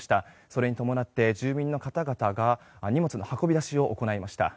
それに伴って住民の方々が荷物の運び出しを行いました。